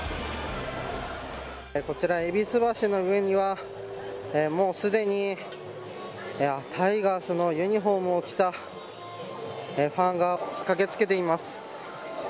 こちら、戎橋の上にはもうすでにタイガースのユニホームを着たファンが駆け付けています。